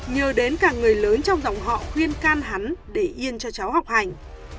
nhờ đến cả người lớn trong dòng họ nguyên can hắn để yên cho cháu học hành